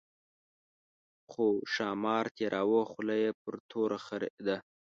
خو ښامار تېراوه خوله یې پر توره خرېده.